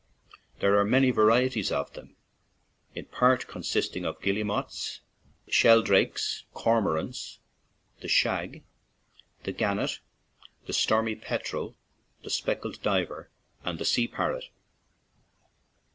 There are many varieties of them, in part consisting of guillemots, sheldrakes, cormorants, the shag, the gannet, the stormy petrel, the speckled diver, and the sea parrot.